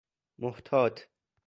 محتاط